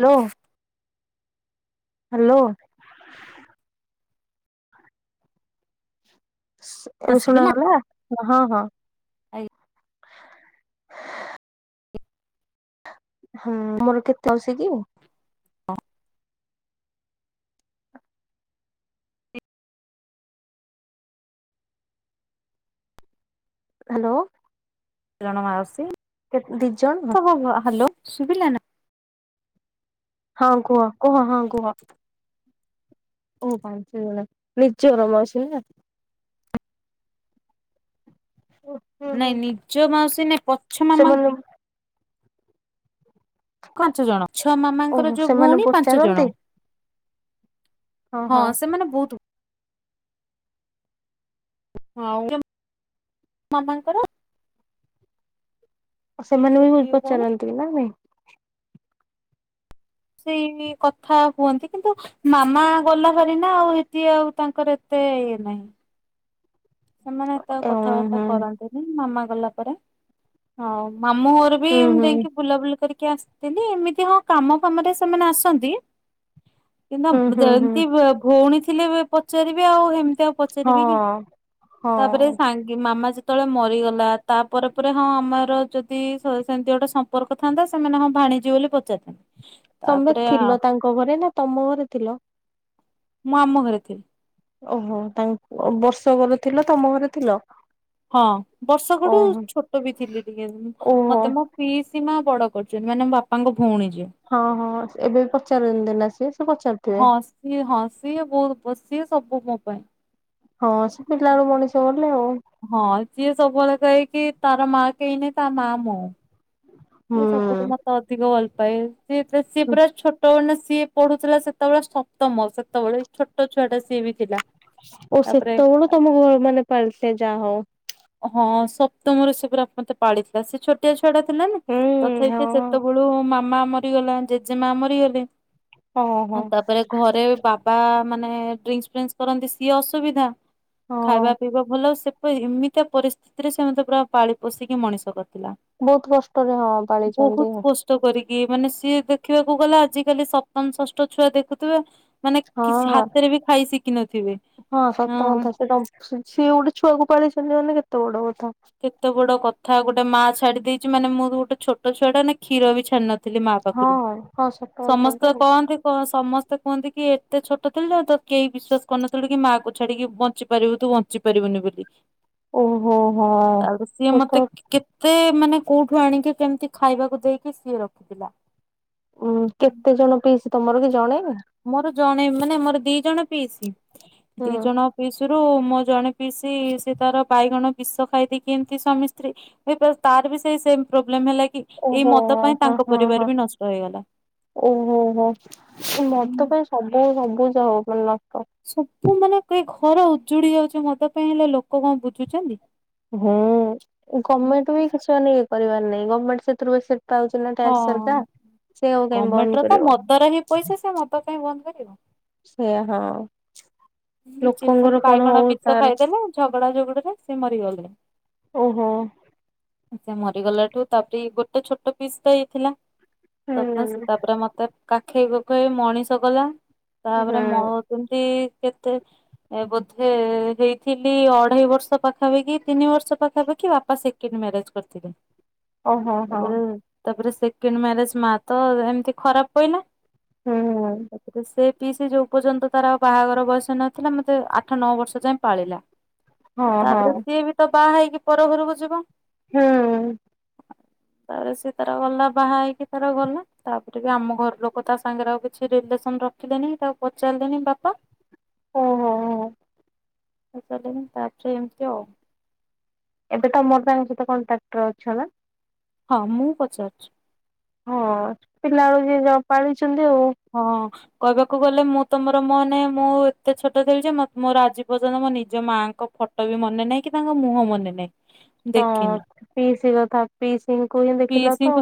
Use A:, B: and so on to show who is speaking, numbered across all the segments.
A: Hello. Hello.
B: ହଁ
A: ଏବେ
B: ଶୁଭିଲା
A: ଶୁଣାଗଲା ହଁ ହଁ।
B: ଆଜ୍ଞା
A: ହଁ ମୋର କେତେ ଅସ କି
B: ହ।
A: ହ୍ୟାଲୋ।
B: ରଣ ମାଉସୀ
A: କେତେ ଦି ଜଣ
B: ହ୍ୟାଲୋ ଶୁଭିଲାନା
A: ହଁ କୁହ କୁହ ହଁ କୁହ ଓହ ପାଞ୍ଚ ଜଣ ନିଜର ମାଉସୀ ନା ଓହ
B: ନାଇଁ ନିଜ ମାଉସୀ ନାଇଁ ପଛ ମାମା
A: ସେମାନେ
B: ପାଞ୍ଚ ଜଣ ଛଅ ମାମାଙ୍କର
A: ଓହୋ
B: ଯୋଉ
A: ସେମାନେ
B: ଭଉଣୀ ପାଞ୍ଚ ଜଣ
A: ପଚାରନ୍ତି
B: ହଁ ସେମାନେ ବହୁତ ହଁ ମାମାଙ୍କର
A: ସେମାନେ ବି
B: ଦି ଭଉଣୀ
A: ପଚାରନ୍ତି ନା ନାଇଁ
B: ସେଇନି କଥା ହୁଅନ୍ତି କିନ୍ତୁ ମାମା ଗଲା ଭରି ନା ଆଉ ସେଠି ଆଉ ତାଙ୍କର ଏତେ ଇଏ ନାହିଁ ସେମାନେ ଏତେ ଆଉ କଥାବାର୍ତ୍ତା
A: ଓହୋ
B: କରନ୍ତିନି ମାମା ଗଲା ପରେ ହଁ ମାମୁଁ ଘୋର ବି
A: ହୁଁ
B: ମୁଁ
A: ହୁଁ
B: ଯାଇକି ବୁଲାବୁଲି କରିକି ଆସ ଡେଲି ଏମିତି ହଁ କାମ ଫାମରେ ସେମାନେ ଆସନ୍ତି। କି ନା
A: ହୁଁ ହୁଁ ହୁଁ ହୁଁ
B: ଯେମିତି ଭ ଭଉଣୀ ଥିଲେ ପଚାରିବେ ଆଉ ହେମିତି ଆଉ ପ
A: ହଁ ଅ
B: ତାପରେ ସାଙ୍ଗ କି ମାମା ଯେତେବେଳେ ମରିଗଲା ତାପରେ ପରେ ହଁ ଆମର ଯଦି ସେ ସେମିତି ଗୋଟେ ସ ସମ୍ପର୍କ ଥାଆନ୍ତା ସେମାନେ ହଁ ଭାଣିଜି ବୋଲି ପଚାରିଥାନ୍ତେ।
A: ତମେ
B: ତାପରେ
A: ଥିଲ ତାଙ୍କ ଘରେ ନା ତମ ଘରେ ଥିଲ
B: ମୁଁ ଆମ ଘରେ ଥିଲି।
A: ଓହୋ ତାଙ୍କ ବର୍ଷକର ଥିଲ ତମ ଘରେ ଥିଲ
B: ହଁ ବର୍ଷ କଠୁ
A: ଓହୋ
B: ଛୋଟ ବି ଥିଲି ଟିକେ
A: ଓହୋ
B: ମତେ ମୋ ପିଇସୀମା ବଡ କରିଛନ୍ତି ମାନେ ମୋ ବାପାଙ୍କ ଭଉଣୀ ଯିଏ।
A: ହଁ ହଁ ଏବେ ବି ପଚାରନ୍ତି ନା ସେ ପଚାରୁଥିବେ।
B: ହଁ ସିଏ ହଁ ସିଏ ବହୁତ ସିଏ ସବୁ ମୋ ପାଇଁ
A: ହଁ ସେ ପିଲାର ମଣିଷ ଗଲେ ଆଉ
B: ହଁ ଯିଏ ସବୁବେଳେ କହିକି ତାର ମା କେହିନି ତା ମା ମୋ ସିଏ
A: ହୁଁ।
B: ସବୁଠୁ ମତେ ଅଧିକ ଭଲ ପାାଏ ସିଏ ସିଏ ପୁରା ଛୋଟ ନା ସିଏ ପଢୁଥିଲା ସେତେବେଳେ ସପ୍ତମ ସେତେବେଳେ ଛୋଟ ଛୁଆ ଟା ସିଏ ବି ଥିଲା।
A: ଓ
B: ତାପରେ
A: ସେତେବେଳୁ ତମ ଘର ମାନେ ପାଳିଥେ ଯାହା ହଉ
B: ହଁ ସପ୍ତମରେ ସେ ପୁରା ମତେ ପାଳିଥିଲା ସେ ଛୋଟିଆ ଛୁଆଟା ଥିଲା ନା
A: ହୁଁ
B: ତଥାପି ସେ
A: ହଁ
B: ସେତେବେଳେ ମାମା ମରି ଗଲା ଜେଜେମା ମରିଗଲେ
A: ଓହୋ ହଁ
B: ଆଉ ତାପରେ ଘରେ ବାବା ମାନେ ଡ୍ରିଙ୍କସ୍ ଫିଙ୍କସ୍ କରନ୍ତି ସିଏ ଅସୁବିଧା ଖାଇବା
A: ହଁ
B: ପିଇବା ଭଲ ସେପ ଏମି ତ ପରିସ୍ଥିତିରେ ସେମୋତେ ପୁରା ପାଳି ପୋଷିକି ମଣିଷ କରିଥିଲା।
A: ବହୁତ କଷ୍ଟରେ ହଁ
B: ବହୁତ
A: ପାଳିଛନ୍ତି।
B: କଷ୍ଟ କରିକି ମାନେ ସିଏ ଦେଖିବାକୁ ଗଲେ ଆଜି କାଲି ସପ୍ତମ ଷଷ୍ଠ ଛୁଆ ଦେଖୁିଥିବେ ମାନେ କିଛି
A: ହଁ
B: ହାତରେ ବି ଖାଇ ଶିଖିନଥିବେ
A: ସତ
B: ହଁ
A: କଥା ସେ ସିଏ ଗୋଟେ ଛୁଆକୁ ପାଳେଇଛନ୍ତି ମାନେ କେତେ ବଡ କଥା
B: କେତେ ବଡ କଥା ଗୋଟେ ମା ଛାଡି ଦେଇଛି ମାନେ ମୁଁ ତ ଗୋଟେ ଛୋଟ ଛୁଆଟା ନା କ୍ଷୀର ବି ଛାଡି ନଥି ଥିଲି ମା
A: ହଁ
B: ପାଖରୁ
A: ହଁ ସତ କଥା ତ
B: ସମସ୍ତେ କହନ୍ତି କ ସମସ୍ତେ କୁହନ୍ତି କି ଏତେ ଛୋଟ ଥିଲୁ ଆଉ ତ କେହି ବିଶ୍ଵାସ କରିନଥିଲୁ କି ମାଆକୁ ଛାଡିକି ବଞ୍ଚିପାରିବୁ ତୁ ବଞ୍ଚୁ ବଞ୍ଚି ପାରିବୁନି ବୋଲି
A: ଓହୋ ହୋ
B: ତାପରେ ସିଏ ମତେ କେତେ ମାନେ କୋଉଠୁ ଆଣିକି କେମିତି ଖାଇବାକୁ ଦେଇକି ସିଏ ରଖିଥିଲା
A: ଉଁ କେତେ ଜଣ ପିଇସି ତମର କି ଜଣେ ନା?
B: ମୋର ଜଣେ ମାନେ ମୋର ଦି ଜଣ ପିଇସି ଦି
A: ହୁଁ
B: ଜଣ ପିଇସି ରୁ ମୁଁ ଜଣେ ପିସି ସେ ତାର ବାଇଗଣ ବିଷ ଖାଇ ଦେଇକି ଏମିତି ସ୍ୱାମୀ ସ୍ତ୍ରୀ ତାର ବି ସେଇ ସେମେ ପ୍ରୋବ୍ଲେମ ହେଲା କି ଏଇ
A: ଓହୋ
B: ମଦ ପାଇଁ ତାଙ୍କ ପରିବାର ବି ନଷ୍ଟ ହେଇଗଲା।
A: ଓହୋହୋ ମଦ ପାଇଁ ସବୁ ସବୁ ଯ ହ ମାନେ ନଷ୍ଟ
B: ସବୁ ମାନେ ଏ ଘର ଉଜୁଡି ଯାଉଛି ମଦ ପାଇଁ ହେଲେ ଲୋକ କଣ ବୁଝୁଛନ୍ତି
A: ହୁଁ ଏ ଗଭର୍ଣ୍ଣମେଣ୍ଟ ବି କିଛି ମାନେ ଇଏ କରିବାର ନାହିଁ ଗଣମେଣ୍ଟ ସେଥିରୁ ବେଶି ପାଉଛନ୍ତି ନା ଟ୍ୟାକ୍ସ
B: ହଁ
A: ସରକାର ସେ ଆଉ କାଇହିଁ
B: ଗମେଣ୍ଟ ର
A: ବନ୍ଦ କରିବ
B: ତ କାଇହିଁ ବନ୍ଦ କରିବ
A: ସେଇୟଆ ହଁ
B: ହୁଁ ସେତ
A: ଲୋକଙ୍କର କଣ
B: ବାଇଗଣ
A: ହଉ
B: ବିଷ
A: ତାର
B: ଖାଇଦେଲେ ଝଗଡା ଝଗଡାରେ ସେ ମରିଗଲେ
A: ଓହୋ।
B: ସେ ମରିଗଲା ଠୁ ତାପରେ ଗୋଟେ ଛୋଟ ପିସ ଟା ହେଇଥିଲା।
A: ହୁଁ
B: ତାପରେ ମତେ କାଖେଇ କୁଖେଇ ମଣିଷ କଲା
A: ହୁଁ
B: ତାପରେ ମୋ କେମିତି କେତେ ଏ ବୋଧେ ହେଇଥିଲି ଅଢେଇ ବର୍ଷ ପାଖାପାଖି ତିନି ବର୍ଷ ପାଖାପାଖି ବାପା ଶି ସେକେଣ୍ଡ ମ୍ୟାରେଜ୍ କରିଥିଲେ?
A: ଓହୋ ହଁ
B: ତାପରେ ତାପରେ ସେକେଣ୍ଡ ମ୍ୟାରେଜ ମା ତ ଏମତି ଖରାପ ପହିଲା।
A: ହୁଁ
B: ତାପରେ ସେ ପିଇସି ଯୋଉ ପର୍ଯ୍ୟନ୍ତ ତାର ଆଉ ବାହାଘର ବୟସ ନ ଥିଲା ମତେ ଆଠ ନଅ ବର୍ଷ ଯାଏ ପାଳିଲା
A: ହଁ ହଁ
B: ତାପରେ ସିଏ ବି ତ ବାହା ହେଇକି ପର ଘରକୁ ଯିବ।
A: ହୁଁ।
B: ତାପରେ ସିଏ ତାର ଗଲା ବାହା ହେଇକି ତାର ଗଲା। ତାପରେ ବି ଆମ ଘର ଲୋକ ତା ସାଙ୍ଗରେ ଆଉ କିଛି ରିଲେସନ ରଖିଲେନି ତାକୁ ପଚାରିଲେନି ବାପା
A: ଓହୋ ହୋ।
B: ହଉ ତାହେ ମୁଁ ତାପରେ ଏମିତି ଆଉ
A: ଏବେ ତମର ତାଙ୍କ ସହିତ କଣ୍ଟ୍ରାକ୍ଟର ଅଛ ନା?
B: ହଁ ମୁଁ ପଚାରୁଛି।
A: ହଁ ପିଲାବେଳୁ ଯିଏ ଯାହା ହଉ ପାଳିଛନ୍ତି ଆଉ
B: ହଁ। କହିବାକୁ ଗଲେ ମୁଁ ତୋ ମୋର ମାନେ ମୁଁ ଏତେ ଛୋଟ ଥିଲି ଯେ ମୋର ଆଜି ପର୍ଯ୍ୟନ୍ତ ମୋ ନିଜ ମାଙ୍କ ଫଟୋ ଫଟୋ ବି ମନେ ନାହିଁ କି ତାଙ୍କ ମୁହଁ ମନେ ନାହିଁ। ଦେଖିନି।
A: ହଁ ପିଇସି କଥା ପିଇସିଙ୍କୁ ହିଁ ଦେଖିଲ ତ।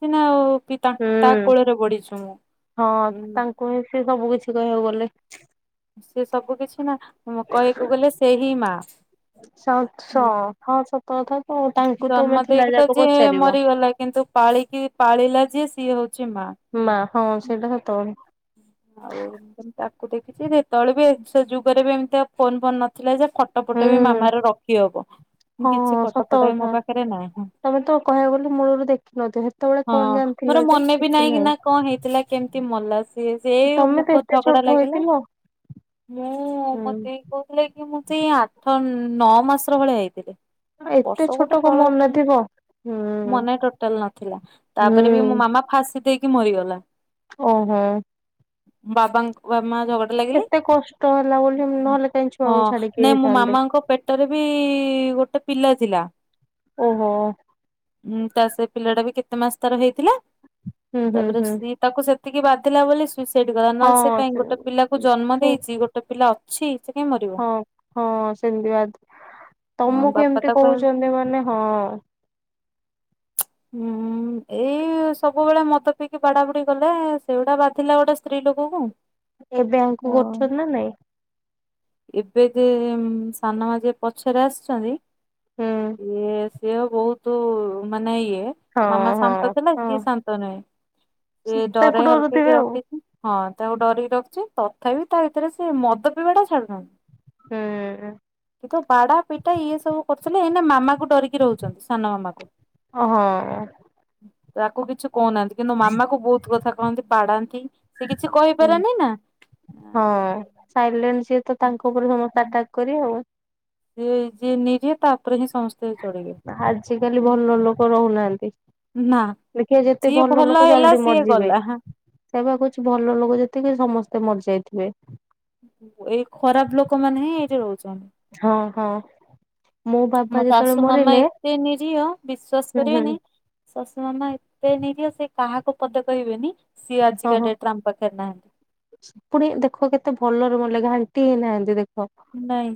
B: ସିନା ଆଉ ତା
A: ହୁଁ।
B: କୋଳରେ ବଢିଛୁ ମୁଁ।
A: ହଁ
B: ଉଁ
A: ତାଙ୍କୁ ହିଁ ସେ ସବୁ କିଛି କହିବାକୁ ଗଲେ।
B: ସେ ସବୁ କିଛି ନା କହିବାକୁ ଗଲେ ସେ ହିଁ ମା।
A: ସତ ସୋ ହଁ ସତ କଥା। ତ ତାଙ୍କୁ ତମେ
B: ଜନ୍ମ
A: ଥିଲା
B: ଦେଇକି ତ
A: ଯାକ
B: ଯିଏ
A: ପଚାରିବ
B: ମରିଗଲା କିନ୍ତୁ ପାଳିକି ପାଳିଲା ଯିଏ ସିଏ ହଉଛି ମା।
A: ମା ହଁ ସେଇଟା ସତ କଥା।
B: ଆଉ ତାକୁ ଦେଖିଛି ସେତେବେଳେ ବି ଏ ଯୁଗରେ ବି ଏମିତି ଆଉ ଫୋନ ଫୋନ ନଥିଲା ଯେ ଫ ଫୋଟ ଫଟ ବି
A: ହୁଁ
B: ମାମାର ରଖି ହବ
A: ହଁ
B: କିଛି ଫୋଟ ଫଟ
A: ସତ
B: ବି ମୋ
A: କଥା
B: ପାଖରେ ନାହିଁ।
A: ତମେ ତ କହିବାକୁ ଗଲି ମୂଳରୁ ଦେଖିନଥିବ ସେତେବେଳେ
B: ହଁ
A: କଣ ଜାଣିଥିଲ
B: ମୋର
A: ଯେ
B: ମନେ ବି
A: କିଛି ନାହିଁ।
B: ନା କଣ ହେଇଥିଲା କେମିତି କି ମଲା ସିଏ ସେ
A: ତମେ
B: ମୁ
A: ତ ଏତେ
B: ଝଗଡା
A: ଛୋଟ
B: ଲାଗିଲା
A: ହେଇଥିଲ
B: ମୁଁ ମୋ
A: ହୁଁ
B: ଦେଇକୁ କୋ କି ମୁଁ ସେଇ ଆଠ ନଅ ମାସର ଭଳିଆ ହେଇଥିଲି।
A: ଏତେ
B: ବର୍ଷ
A: ଛୋଟ
B: ଗୋଟେ
A: କଣ
B: ତଳେ
A: ମନେ
B: ଥାଉ।
A: ଥିବ ହୁଁ
B: ମନେ ଟୋଟାଲ ନଥିଲା ତାପରେ ବି ମୋ
A: ହୁଁ
B: ମାମା ଫାଶୀ ଦେଇକି ମରିଗଲା।
A: ଓହୋ।
B: ବାବାଙ୍କ ବାମା ଝଗ ଡା ଲାଗିଲେ
A: ଏତେ କଷ୍ଟ ହେଲା ବୋଲି ନହେଲେ କାହିଁ
B: ହଁ
A: ଛୁଆକୁ ଛାଡିକି
B: ନାଇ ମୋ
A: ହେଇଥାନ୍ତେ
B: ମାମାଙ୍କ ପେ- ପେଟରେ ବି ଗୋଟେ ପିଲା ଥିଲା।
A: ଓହୋ।
B: ହୁଁ ତା ସେ ପିଲାଟା ବି କେତେ ମାସ ତାର ହେଇଥିଲା
A: ହୁଁ ହୁଁ
B: ତାପରେ
A: ହୁଁ
B: ସି ତାକୁ ସେତିକି ବାଧିଲା ବୋଲି ସୁଇସାଇଡ କଲା ନହେଲେ ସେ କାହିଁ ଗୋଟେ ପିଲାକୁ ଜନ୍ମ
A: ହଁ
B: ଦେଇଛି ଗୋଟେ ପିଲା ଅ ଅଛି ସେ କାହିଁ ମରିବ।
A: ହଁ ହଁ ସେମତି ବା
B: ଅଁ
A: ତମକୁ
B: ବାପା
A: ଏମିତି
B: ତାକୁ
A: କହୁଛନ୍ତି ମାନେ ହଁ।
B: ହୁଁ। ଏଇ ସବୁବେଳେ ମଦ ପିଇକି ବାଡା ବୁଡି କଲେଁ, ସେଇଗୁଡା ବାଧିଲା ଗୋଟେ ସ୍ତ୍ରୀ ଲୋକକୁଁ।
A: ଏ ବ୍ୟାଙ୍କ୍ କୁ କରୁଚନି ନା ନାଇଁ?
B: ଏବେ ଯେ, ଏମ୍ ସାନ ମାଁ ଯିଏ ପଛରେ ଆସିଛନ୍ତି,
A: ହୁଁ
B: ଇଏ ସିଏ ବହୁତୁ ମାନେ ଇଏ
A: ହଁ
B: ମାମା ଶାନ୍ତ
A: ହଁ
B: ଥିଲା,
A: ହଁ
B: ସିଏ ଶାନ୍ତ ନୁହେଁ। ସିଏ
A: ତାକୁ
B: ଡରେଇ ହଲ୍
A: ଡରୁଥିବେ
B: କେଇକି
A: ଆଉ
B: ରଖିଛି। ହଁ, ତାକୁ ଡରେଇକି ରଖୁଛି। ତଥାପି ତା ଭିତରେ ସିଏ ମଦ ପିଇବା ଟା ଛାଡୁନାହାଁନ୍ତି।
A: ହୁଁ
B: କିନ୍ତୁ, ବାଡା ପିଟା ଇଏ ସବୁ କରୁଥିଲେ, ଏଇନା ମାମା କୁ ଡରିକି ରହୁଛନ୍ତି, ସାନ ମାମା କୁ।
A: ଓହଁଉଁ।
B: ତାକୁ କିଛି କହୁନାହାଁନ୍ତି। କିନ୍ତୁ, ମାମା କୁ ବହୁତ କଥା କହନ୍ତି, ବାଡାନ୍ତି ସେ କିଛି କହିପାରେନି ନା।
A: ହଁ ସାଇଲେଣ୍ଟ ସିଏ ତ, ତାଙ୍କ ଉପରେ ସମସ୍ତେ ଆଟାକ୍ କରିବେ ଆଉ।
B: ସି ଯିଏ ନେଇଯିଏ ତା'ପରେ ହିଁ ସମସ୍ତେ ଚଢିବେ।
A: ଆଜ କାଲି ଭଲ ଲୋକ ରହୁନାହାଁନ୍ତି।
B: ନା
A: ଦେଖିବ ଯେତେ
B: ଯିଏ
A: ଭଲ ଲୋକ
B: ହେଲା
A: ଜଲ୍ଦି
B: ସିଏ
A: ମରିଯିବେ।
B: ଗଲା।
A: ସେଆବା କହୁଛି, ଭଲ ଲୋକ ଯେତିକି ସମସ୍ତେ ମରିଯାଇଥିବେ।
B: ଏଇ ଖରାପ ଲୋକମାନେ ହିଁ ଏଇଠି ରହୁଛନ୍ତି।
A: ହଁ, ହଁ, ମୋ ବାବା ଯେତେବେଳେ
B: ଶାଶୁ ମାମା
A: ମରିଲେ
B: ଏତେ ନିରୀହ ବିଶ୍ଵାସ
A: ହୁଁ ହୁଁ
B: କରିବେନି ଶଶି ମାମା ଏତେ ନିରୀହ, ସେ କାହାକୁ ପଦେ କହିବେନି। ସିଏ ଆଜିକା
A: ଓହୋ
B: ଡେଟ୍ ରେ ଆମ ପାଖରେ ନାହାଁନ୍ତି।
A: ପୁଣି ଦେଖ କେତେ ଭଲରେ ମଲେ। ଘାଣ୍ଟି ହେଇନାହାଁନ୍ତି ଦେଖ।
B: ନାଇଁ।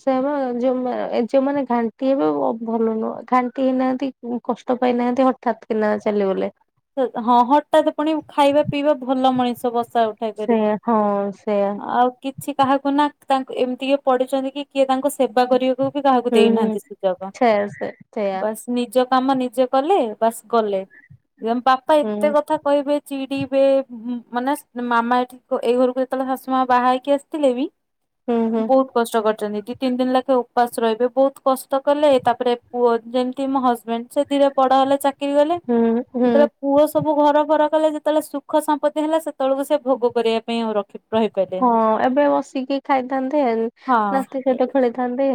A: ସେଆବା, ଯୋଉମା ଯୋଉମାନେ ଘାଣ୍ଟି ହେବେ ଭଲ ନୁହେଁ, ଘାଣ୍ଟି ହେଇନାହାଁନ୍ତି। କଷ୍ଟ ପାଇନାହାଁନ୍ତି ହଠାତ୍ କି ନା ଚାଲି ଗଲେ।
B: ହଁ, ହଁ ହଠାତ୍ ପୁଣି ଖାଇବା ପିଇବା ଭଲ ମଣିଷ ବସା ଉ ଖାଇ ପାରିକି,
A: ସେୟା ହଁ ସେୟା
B: ଆଉ। କିଛି କାହାକୁ ନା, ତାଙ୍କୁ ଏମିତି କିଏ ତାଙ୍କୁ ପଡ଼ିଛନ୍ତି, କି କିଏ ତାଙ୍କୁ ସେବା କରିବାକୁ କି କାହାକୁ
A: ହୁଁ ହୁଁ
B: ଦେଇନାହାଁନ୍ତି ସୁଯୋଗ।
A: ସେୟା ସେ ସେୟା
B: ବାସ୍ ନିଜ କାମ ନିଜେ କଲେ ବାସ୍ ଗଲେ। ବାପା
A: ହୁଁ
B: ଏତେ କଥା କହିବେ, ଚିଡିବେ, ମାନେସ୍ ମାମା ଏଠି ଏଇ ଘରକୁ ଯେତେବେଳେ ଶାଶୁ ମାଁ ବାହା ହେଇକି ଆସିଥିଲେ ବି
A: ହୁଁ ହୁଁ
B: ବହୁତ୍ କଷ୍ଟ କରିଛନ୍ତି। ଦି, ତିନି ଦିନ ଲଖେ ଉପାସ ରହିବେ। ବହୁତ କଷ୍ଟ କଲେ, ତା'ପରେ ପୁଅ ଯେମିତି ମୋ ହଜବେଣ୍ଡ ସେତ୍ ଧୀରେ ବଡ ହେଲେ, ଚାକିରି କଲେ।
A: ହୁଁ। ହୁଁ
B: ଯେତେବେଳେ ପୁଅ ସବୁ ଘର ଫର କଲେ, ଯେତେବେଳେ ସୁଖ ସମ୍ପତ୍ତି ହେଲା, ସେତେବେଳକୁ ସେ ଭୋଗ କରିବା ପାଇଁ ଆଉ ରଖିବ
A: ହଁ, ଏବେ ବସିକି ଖାଇଥାନ୍ତେ, ନାତି
B: ହଁ
A: ସହିତ ଖେଳିଥାନ୍ତେ।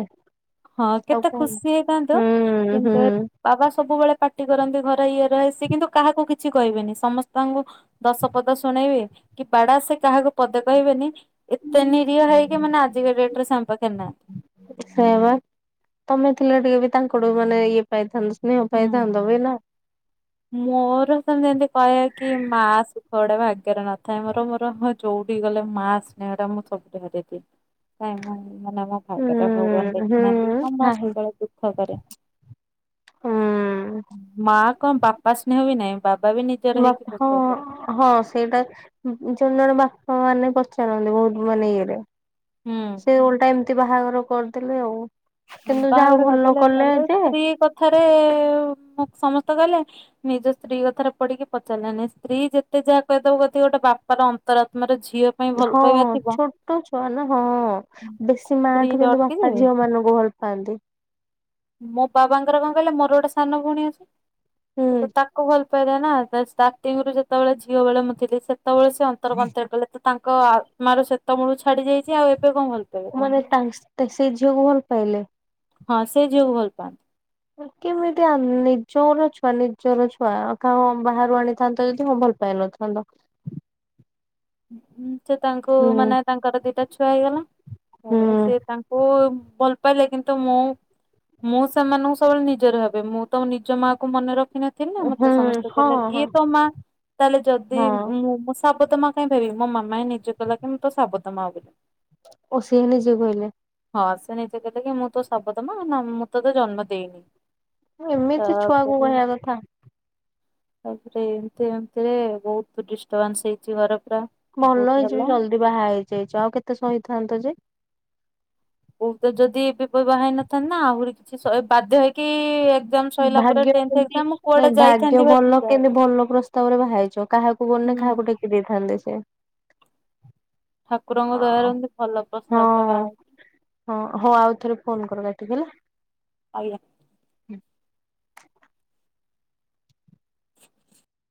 B: ହଁ,
A: ଆଉ
B: କେତେ
A: କଣ
B: ଖୁସି ହେଇଥାନ୍ତୁ,
A: ହୁଁ ହୁଁ
B: କିନ୍ତୁ ବାବା ସବୁବେଳେ ପାର୍ଟି କରନ୍ତି, ଘରେ ଇଏ ରହେ, ସିଏ କିନ୍ତୁ କାହାକୁ କିଛି କହିବେନି ସମସ୍ତଙ୍କୁ ଦଶ ପଦ ଶୁଣେଇବେ, କି ବାଡା, ସେ କାହାକୁ ପଦେ କହିବେନି। ଏତେ ନିରୀହ ହେଇକି ମାନେ, ଆଜିିକା ଡେଟ୍ ରେ ସେ ଆମ୍ ପାଖେରେ ନାହାଁ
A: ସେୟାବା, ତମେ ଥିଲ ଟିକେ ବି ତାଙ୍କଠୁ ମାନେ ଇଏ ପାଇଥାନ୍ତ ସ୍ନେହ
B: ହୁଁ।
A: ପାଇଥାନ୍ତ ବି ନା!
B: ମୋର ସେମତି ଯେମତି କହିବା କି, ମାଁ ସୁଖଡା ଭାଗ୍ୟରେ ନଥାଏ, ମୋର ମୋର ହ ଯୋଉଠି ଗଲେ ମାଁ ସ୍ନେହ ଟା, ମୁଁ ସବୁଠ ହାରିଦିଏ। କାଇଁ ମୁଁ, ମାନେ ମୋ
A: ହୁଁ
B: ଭାଗ୍ୟଟା ଭଗବାନ
A: ହୁଁ
B: ଦେଖିନାହାଁନ୍ତି, ନା
A: ନାହିଁ
B: ସବୁବେଳେ ଦୁଃଖ କରେ।
A: ହୁଁ।
B: ମା କଣ ବାପା ସ୍ନେହ ବି ନାହିଁ ବାବା ବି ନି।
A: ମ ହ। ହଁ ସେଇଟା ଜଣେ ଜଣେ ବାପା ମାନେ ପଚାରନ୍ତି ବହୁତ ମାନେ ଇଏରେ। ସେ ଓଲଟା ଏମିତି ବାହାଘର କରିଦେଲେ ଆଉ। କିନ୍ତୁ ଯାହା
B: ବାହାଘର
A: ଭଲ
B: ଗଦେଲେ
A: କଲେ
B: ତାପରେ
A: ଯେ
B: ସ୍ତ୍ରୀ କଥାରେ ସମସ୍ତେ କହିଲେ। ନିଜ ସ୍ତ୍ରୀ କଥାରେ ପଢିକି ପଚାରିଲୋନି ସ୍ତ୍ରୀ ଯେତେ ଯାହା କହିଦବ କ ଗୋଟେ ବାପାର ଅନ୍ତରାତ୍ମାର ଝିଅ। ପାଇଁ ଭଲ
A: ହଁ
B: ପାଇବା ଥିବ
A: ଛୋଟ ଛୁଆ ନା ହଁ ବେଶୀ ମା ଠୁ
B: ସ୍ତ୍ରୀରେ
A: କିନ୍ତୁ
B: ଅଟକି
A: ବାପା
B: ଯିବେ।
A: ଝିଅ ମାନଙ୍କୁ ଭଲ। ହଁନ୍ତି।
B: ମୋ ବାବାଙ୍କର କଣ କହିଲେ ମୋର ଗୋଟେ ସାନ ଭଉଣୀ
A: ହୁଁ
B: ଅଛି ତାକୁ ଭଲ। ନା ଷ୍ଟାର୍ଟିଙ୍ଗରୁୁ ଯେତେବେଳେ ଝିଅ ବେଳେ ମୁଁଥିଲି ସେତେବେଳେ ସେ ଅନ୍ତର ଅନ୍ତର କଲେ। ତାଙ୍କ ଆତ୍ମାର ଶ୍ତତ ମୂଳୁ ଛାଡି ଯାଇଛି ଆଉ ଏବେ କଣ ଭଲ। ପାଇବେ କହୁନ।
A: ମାନେ ସେଇ ଝିଅକୁ ଭଲ ପାଇଲେ।
B: ହଁ ସେ ଝିଅକୁ ଭଲ ପାଆନ୍ତି।
A: କେମିତି ନିଜର ଛୁଆ ନିଜର ଛୁଆ କାହା ବାହାରୁ ଆଣିଥାନ୍ତ ଯଦି ହଁ ଭଲ। ପିଲୁ ତ।
B: ସେ ତାଙ୍କୁ
A: ହୁଁ
B: ମାନେ ତାଙ୍କର ଦିଟା ଛୁଆ ହେଇଗଲା।
A: ହୁଁ
B: ହେଲେ ସେ ତାଙ୍କୁ ଭଲ ପାଇଲେ କିନ୍ତୁ। ତ ମୁଁ ମୁଁ ସେମାନଙ୍କୁ ସବୁବେଳେ ନିଜରେ ଭାବେ ମୁଁ ତ ନିଜ ମା କ ମନେ ରଖିିନି। ଥିଲ ନା
A: ହୁଁ
B: ମତେ ସମସ୍ତେ
A: ହଁ
B: କହିଲେ
A: ହଁ
B: ଇଏ ତ ମା ତାହେଲେ ଯଦି
A: ହଁ
B: ମୁଁ ମୋ ସାବତ ମା। କାଇଁ ଭିବି ମାମାଁ ନିଜେ କଲା କି ମୁଁ ତ ସାବତ ମା ବୋଲି।
A: ଓ ସେଏ ନିଜେ କହିଲେ।
B: ହଁ ସେ ନିଜେ କହିଲେ କି ମୁଁ ତୋ ସାବଦମା ମୁଁ ତୋ ତ ଜନ୍ମ ଦେଇନି।
A: ଏମିତି ଛୁଆକୁ
B: ତାପରେ।
A: କହିବା କଥା
B: ତାପରେ ଏମତି ଏମିତିରେ ବହୁତ ଡିଷ୍ଟର୍ବାନ୍ସ ହେଇଛି ଘର ପୁରା।
A: ଭଲ
B: ବହୁତ
A: ହେଇଯିବ
B: ହେଲା।
A: ଜଲ୍ଦି ବାହା ହେଇଯାଇଛି ଆଉ କେତେ ସହିଇଥାନ୍ତ ଯେ।
B: ବହୁତ ଯଦି ଏବେପ ବା ହେଇନଥାନ୍ତି ନା ଆହୁରି କିଛି ବାଧ୍ୟ ହେଇକି ଏକ୍ଜାମ ସଇଲା ପରେ
A: ଭାଗ୍ୟ
B: ଟେନ୍ଥ
A: କେମତି
B: ଏକ୍ଜାମ ମୁଁ
A: ନ
B: କୁଆଡେ ଯାଇଥାନ୍ତି
A: ଭାଗ୍ୟ
B: ଭାରି
A: ଭଲ
B: ଯାହା
A: କେମତି ଭଲ ପ୍ରସ୍ତାବ ରେ ବାହାରିଛ କାହାକୁ କୁ ଗନେ
B: ହୁଁ
A: କାହାକୁ ଟେକି ଦେଇଥାନ୍ତି ସେ
B: ଠାକୁରଙ୍କ ଦୟାର
A: ହଁ
B: ଏମତି ଭଲ ପ୍ରସ୍ତାବଟା ବାହହାରଛି
A: ହଁ ହଉ ଆଉ ଥରେ ଫୋନ୍ କରିବା ଟିକେ ହେଲା
B: ଆଜ୍ଞା